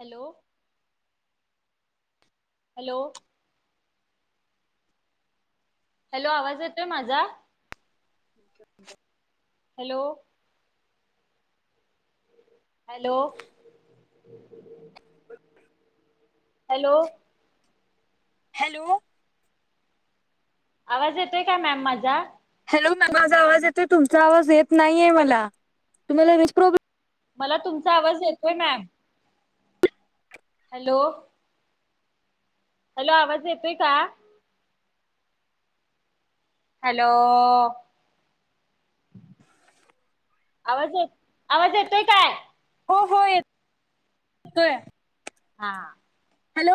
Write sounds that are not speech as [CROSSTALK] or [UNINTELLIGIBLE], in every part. Hello hello hello आवाज येतोय माझा? ठीक आहे हॅलो हॅलो हॅलो हॅलो आवाज येतोय का मॅम माझा हॅलो ना माझा आवाज येतोय तुमचा आवाज येत नाहीये मला तुम्हाला रेंज प्रॉब्लेम मला तुमचा आवाज येतोय मॅम हॅलो. हॅलो आवाज येतोय का. हॅलो आवाज येत आवाज येतोय काय हो हो येत तय हां हॅलो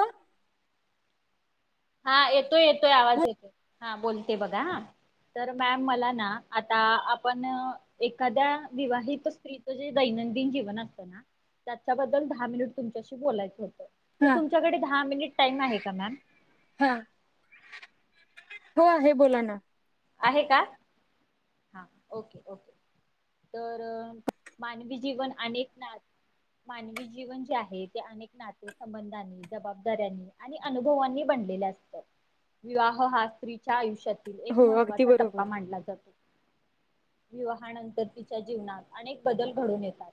हा येतोय येतोय आवाज येतोय हा बोलते बघा हा. तर मॅम मला ना आता आपण. एखाद्या विवाहित स्त्रीच जे दैनंदिन जीवन असतं ना. त्याच्याबद्दल दहा मिनिट तुमच्याशी बोलायचं होतं तर हा तुमच्याकडे दहा मिनिट टाइम आहे का मॅम. हा. हो आहे बोला ना. आहे का हा ओके ओके. तर मानवी जीवन अनेक ना. मानवी जीवन जे आहे ते अनेक नाते. संबंधांनी जबाबदाऱ्यां आणि अनुभवांनी बनलेले असतात. विवाह हा स्त्रीच्या आयुष्यातील एक हो अगदी महत्त्वाचा बरोबर टप्पा मांडला जातो. विवाहानंतर तिच्या जीवनात अनेक बदल घडून येतात.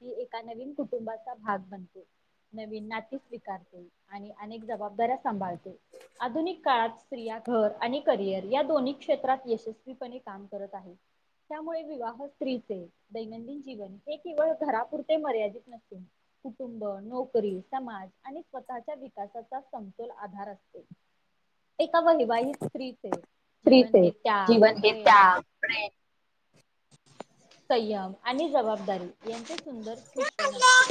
ही एका नवीन कुटुंबाचा भाग म्हनते नवीन नाट्य स्वीकारते. आणि अनेक जबाबदाऱ्या सांभाळते. आधुनिक काळात स्त्रिया घर आणि करिअर या दोन्ही. क्षेत्रात यशस्वीपणे काम करत आहे. त्यामुळे विवाह स्त्रीचे दैनंदिन जीवन हे केवळ घरापुरते मर्यादित नसते. कुटुंब नोकरी समाज आणि स्वतःच्या विकासाचा समतोल आधार अस. एका वैवाह स्त्रीचे जीवन हे त्याग जीवन हे प्रेम. त्याग संयम आणि जबाबदारी यांचे सुंदर मिश्रण असते.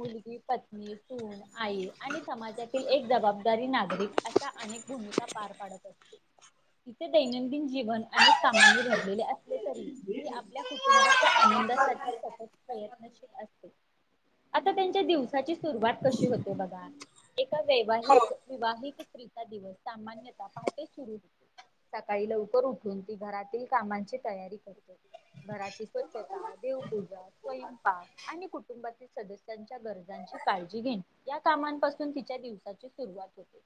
मुलगी पत्नी सून आई आणि समाजातील एक जबाबदारी नागरिक अशा अनेक. भूमिका पार पाडत असते. इथे दैनंदिन जीवन अनेक कामांनी भरलेले असले तरी मी. आपल्या कुटुंबाच्या आनंदासाठी सतत प्रयत्नशील असते. आता त्यांच्या दिवसाची सुरुवात कशी होते बघा. एका वैवाहिक विवाहिक स्त्रीचा दिवस सामान्यत पहाटे सुरू होते. सकाळी लवकर उठून ती घरातील कामांची तयारी करते. घराची स्वच्छता देवपूजा. स्वयंपा आणि कुटुंबातील सदस्यांच्या गरजांची काळजी घेन या कामांपासून तिच्या दिवशी. सुरवात होते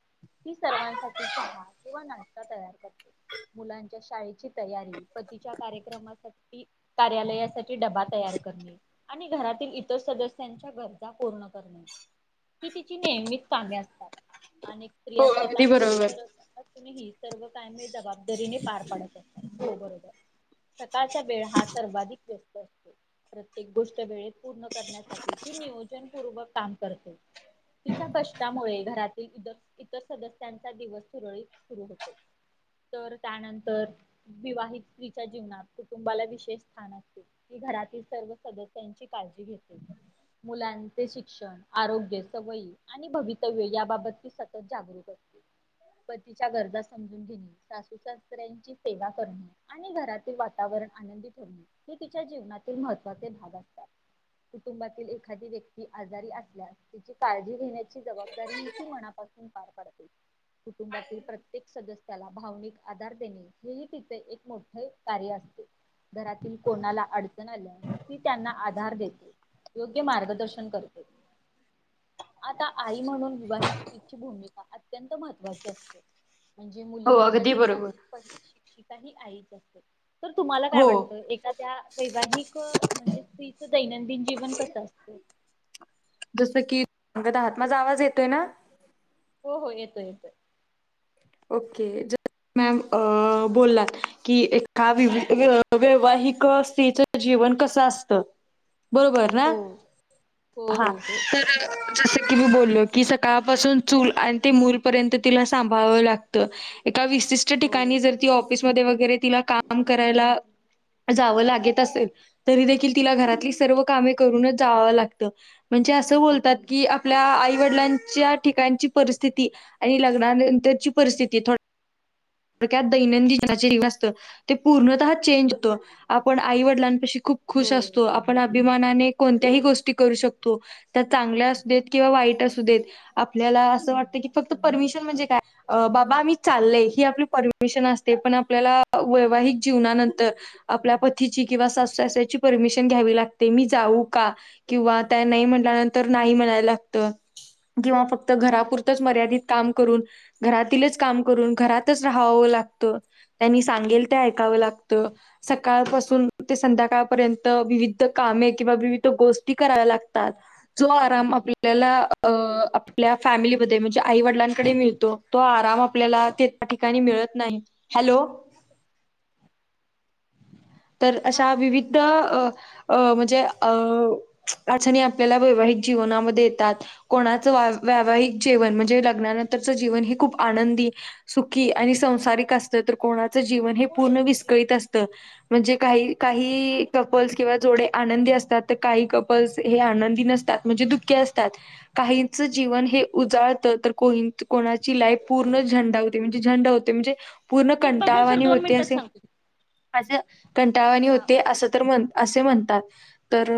ती सर्वांसाठी चहा किंवा नाश्ता तयार करते. मुलांच्या शाळेची तयारी पतीच्या कार्यक्रमासाठी कार्यालयासाठी डबा तयार करणे आणि घरातील इतर सदस्यांच्या गरजा पूर्ण करणे ही तिची नेहमीच कामे असतात अनेक स्त्रिया हो स्वतः अगदी नोकरी बरोबर करत असतात हे सर्व कामे जबाबदारीने पार पाडतात हो बरोबर सकाळ वेळ हा सर्वाधिक व्यस्त असतो प्रत्येक गोष्ट वेळेत पूर्ण करण्यासाठी ही नियोजनपूर्वक काम करते तिच्या कष्टामुळे घरातील इतर इतर सदस्यांचा दिवस सुरळीत सुरू होतो तर त्यानंतर विवाहित स्त्रीच्या जीवनातप तुंबाला विशेष स्थान असते की घरातील सर्व सदस्यांची काळजी घे मुलांचे शिक्षण आरोग्य सवयी आणि भवितव्य याबाबतची सतत जागृक असते पतीच्या गरजा समजून घेणे सासू सासऱ्यांची सेवा करणे आणि घरातील वातावरण आनंदी ठेवणे हे तिच्या जीवनातील महत्त्वाचे भाग असतात. कुटुंबातील एखादी व्यक्ती आजारी असल्यास त्याची काळजी. घेण्याची जबाबदारी ह ती मनापासून पार पडते. कुटुंबातील प्रत्येक सदस्याला भावनिक आधार देणे हेही तिथे एक मोठे कार्य असते. घरातील कोणाला अडचण आल्या ती त्यांना आधार देते. योग्य मार्गदर्शन करते. आता आई म्हणून विवाह स्त्रीची भूमिका अत्यंत महत्त्वाची असते. म्हणजे हो मुलींच्या अगदी जीवनात बरोबर प शिक्षिका ही आईच असते तर तुम्हाला काय हो वाटतं एखाद्या वैवाहिक म्हणजे स्त्रीचं दैनंदिन जीवन कसं असतं. जसं कि सग दहातमाझ आवाज येतोय ना. हो हो येतोय येतोय. ओके ज मॅम अ बोललात की एका वैवाहिक स्त्रीच्या जीवन कसं असतं. [UNINTELLIGIBLE] बरोबर ना हो हो हा हो तर जसं की मी बोललो की सकाळपासून चूल आणि ते मूलपर्यंत तिला सांभाळवं लागत. एका विशिष्ट हो ठिकाणी जर तिला ऑफिसमध्ये वगैरे तिला काम करायला जावं लागत असेल तरी देखील तिला घरातली सर्व कामे करूनच जावं लागतं. म्हणजे असं बोलतात की आपल्या आईवडिलांच्या ठिकाणची परिस्थिती आणि लग्नानंतरची परिस्थिती थोड त दैनंदिन ज असत ते पूर्णतः चेंज होत आपण आई वडिलांपशी खूप हो खुश असतो आपण अभिमानाने कोणत्याही गोष्टी करू शकतो. त्या चांगल्या असू देत किंवा वाईट असू देत. आपल्याला असं वाटत की फक्त परमिशन म्हणजे काय बाबा मी चालय ही आपली परमिशन असते पण आपल्याला वैवाहिक जीवनानंतर आपल्या पतीची किंवा सासू सासर्‍यांची परमिशन घ्यावी लागते मी जाऊ का? किंवा त्या नाही म्हटल्यानंतर नाही म्हणायला लागत. किंवा फक्त घरापुरतच मर्यादित काम करून घरातीलच काम करून घरात घरातच राहावं लागतं त्यांनी सांगेल ते ऐकावं लागतं. सकाळपासून ते संध्याकाळपर्यंत विविध कामे किंवा विविध गोष्टी कराव्या लागतात. जो आराम आपल्याला हो. आपल्या फॅमिलीमध्ये म्हणजे आई वडिलांकडे मिळतो तो आराम आपल्याला ठिकाणी मिळत नाही हॅलो. तर हा अशा विविध अ अ म्हणजे अ अडचणी आपल्याला वैवाहिक जीवनामध्ये येतात. कोणाचं वैवाहिक जेवन म्हणजे लग्नानंतरच जीवन हे खूप आनंदी. सुखी आणि संसारिक असत तर कोणाचं जीवन हे होय पूर्ण होय विस्कळीत असत. म्हणजे काही काही आहे कपल्स किंवा जोडे आनंदी असतात तर काही कपल्स हे आनंदी नसतात. म्हणजे दुःखे असतात काहीचं जीवन हे उजाळत तर को. कोणाची लाईफ पूर्ण झेंडा होते म्हणजे झेंडा होते म्हणजे. पूर्ण मी बघून सर कंटाळवानी दोन होते मिनिटात असे सांगते असे कंटाळवानी हा होते ओके असं. तर असे म्हणतात तर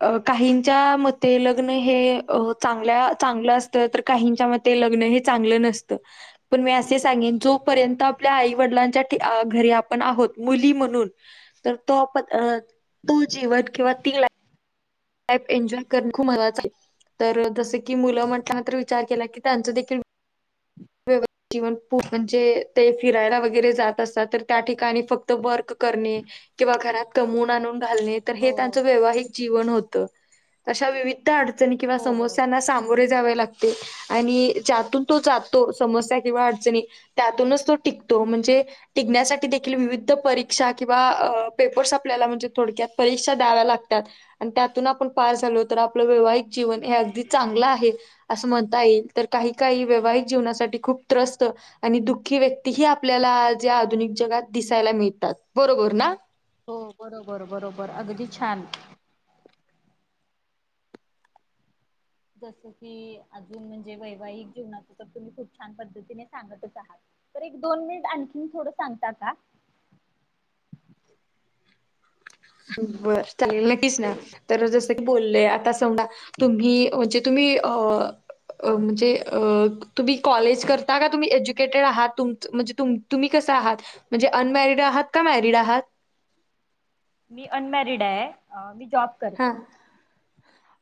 अ काहीच्या मते लग्न हे चांग चांगलं असतं. का ल च पण सांग जोपर्यंत आपल्या आई वडिलांच्या घरी आपण आहोत मुली म्हणून. तर तोण तो जीवन किंवा तिला लाईफ एन्जॉय करण खूप महत्वाचं आहे तर जसं की मुलं म्हण तर विचार केला की त्यांचं देखील. व्यवस्थ. जीवन म्हणजे ते फिरायला वगैरे जात असतात तर त्या ठिकाणी फक्त वर्क करणे किंवा घरात कमवून आणून घालते हे हो त्यांचं वैवाहिक जीवन होतं अशा विविध अडचणी किंवा हो बरोबर समस्यांना सामोरे जावे लागते आणि ज्यातून तो जातो समस्या किंवा अडचणी त्यातूनच तो टिकतो म्हणजे टिकण्यासाठी देखील विविध परीक्षा किंवा पेपर्स आपल्याला म्हणजे थोडक्यात परीक्षा द्याव्या लागतात. आणि त्यातून आपण पार झालो तर आपलं वैवाहिक जीवन हे अगदी चांगलं आहे. असं म्हणता येईल तर काही काही वैवाहिक जीवनासाठी खूप त्रस्त. आणि दुःखी व्यक्तीही आपल्याला आज या आधुनिक जगात दिसायला मिळतात बरोबर ना. हो बरोबर बरोबर अगदी छान. जस की अजून म्हणजे वैवाहिक जीवनात तर तुम्ही खूप छान पद्धतीने सांगतच आहात. तर एक दोन मिनिट आणखी थोडं सांगता का. बर चालेल नक्कीच ना. तर जसं की बोलले आता समजा तुम्ही म्हणजे तुम्ही अ अ म्हणजे तुम्ही कॉलेज करता का तुम्ही एज्युकेटेड आहात तुम म्हणजे तुम. तुम्ही कसं आहात म्हणजे अनमॅरिड आहात का मॅरिड आहात. मी अनमॅरिड आहे मी जॉब. हा करते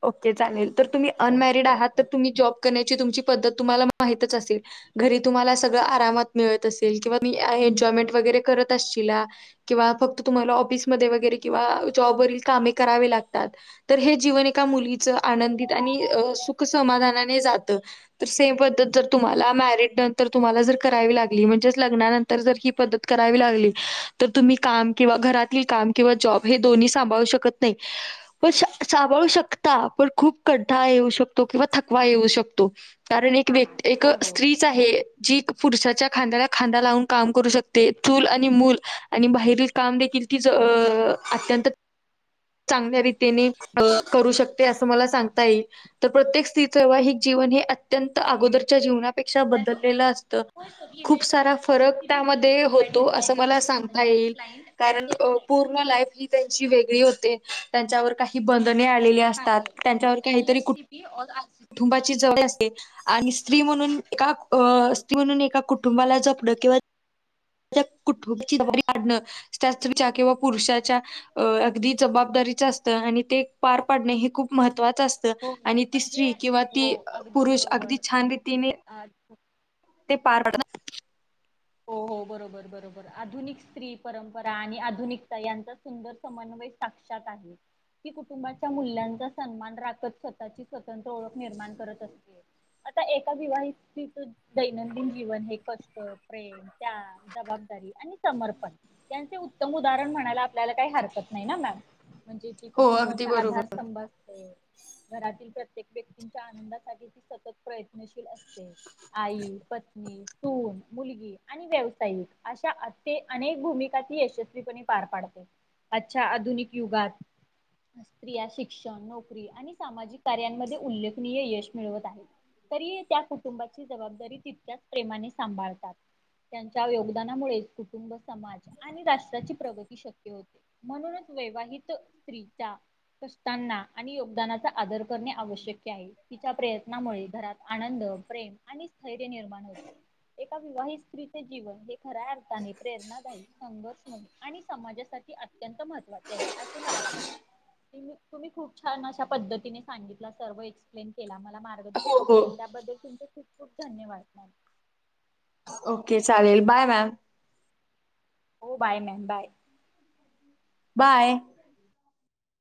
ओके चालेल तर तुम्ही अनमॅरिड आहात तर तुम्ही जॉब करण्याची तुमची पद्धत तुम्हाला माहितच असेल. घरी तुम्हाला सगळं आरामात मिळत असेल किंवा म एन्जॉयमेंट वगैरे करत असश. किंवा फक्त तुम्हाला ऑफिसमध्ये वगैरे किंवा जॉबवरील कामे करावी लागतात. तर हे जीवन एका मुलीचं आनंदित आणि सुख समाधानाने जातं. तर सेम पद्धत जर तुम्हाला मॅरिड नंतर तुम्हाला जर करावी लागली म्हणजेच लग्नानंतर. ी पत करावी लागली तर तुम्ही काम कि घरात काम किंवा जॉब हे दो्ही सांभळू शक. ते. पण सांभाळू शकता पण खूप कड्डा येऊ शकतो किंवा थकवा येऊ शकतो. कारण एक हा हा व्यक्ती एक हो हो स्त्री जी पुरुषाच्या खांद्याला खांदा लावून काम करू शकते चूल आणि मूल आणि बाहेरील काम देखील तीच अत्यंत चांगल्या र तेनी करू शकत. अस मला सगता येईल तर प्रत्येक स्वाहिक जीवन हे अत्यंत अगोदरच्या जीवना ा हॅलो बदलले असत होय सर खूप लिहिलेलं सारा कसं आज फरक टीबी विल बी त्यामध्ये होतो प्रोव्हायडेड बाय असं मला क्लायंट सांगता येईल. क्लायंट ॲट कारण देअर पूर्ण ला टाईम ह त्यांची वेगळी होते त्यांच्यावर ी बंधने आलेली हां असतात त्यांच्यावर काहीतरी कुठ [UNINTELLIGIBLE] कुुंबाची ज असते आणि स्त्री म्हणून एका स्त्री म्हणून एका कुटुंबाला जपणंिंवा. कुटुंची वाढणं शस्त्रीच्या किंवा पुरुषाच्या अ अगदी जबाबदारीच असतं आणि ते पार पाडणं हे खूप महत्त्वाचं असतं. हो मॅम आणि ती म्हणजे स्त्री किंवा हो ती पुरुष अगदी छान रीतीने अचछ ते पार पडता हो हो बरोबर बरोबर आधुनिक स्त्री परंपरा आणि आधुनिकता यांचाच सुंदर समन्वय साक्षात आहे ती कुटुंबाच्या मूल्यांचा सन्मान राखत स्वतःची स्वतंत्र ओळख निर्माण करत असते आता एका विवाहीची तर दैनंदिन जीवन हे कष्ट प्रेम त्याग जबाबदारी आणि समर्पण त्यांचे उत्तम उदाहरण म्हणायला आपल्याला काही हरकत नाही ना मॅम म्हणजे की हो अगदी कुटुंबाचा बरोबर. आधार अस घरातील प्रत्येक व्यक्तीच्या आनंदासाठी ती सतत प्रयत्नशील असते आई पत्नी सून मुलगी आणि व्यावसायिक अशा अनेक भूमिका ह यशस्वीपणे पार पाडते अच्छा आधुनिक युगात स्त्रिया शिक्षण नोकरी आणि सामाजिक कार्यांमध्ये उल्लेखनीय यश मिळवत आहे. तरी त्या कुटुंबाची जबाबदारी तितक्याच प्रेमाने सांभाळते. त्यांच्या योगदानामुळे कुटुंब समाज आणि राष्ट्राची प्रगती शक्य होते म्हणूनच वैवाहित स्त्रीचा असताना आणि योगदानाचा आदर करणे आवश्यक आहे तिच्या प्रयत्नामुळे घरात आनंद प्रेम आणि स्थैर्य निर्माण होते एकका वही स्त्री जीवन हे खऱ्या अर्थाने प्रेरणादायी संघर्षमय आणि समाजासाठी अत्यंत महत्वाचे आहे असे मला वाटते तुम्ही खूप छान अशा पद्धतीने सांगितला सर्व एक्सप्लेन केला मला हो मार्गदर्शन हो. केला त्याबद्दल तुमचे खूप खूप धन्यवाद मॅडम ओके चालेल बाय मॅम हो बाय मॅ बाय बाय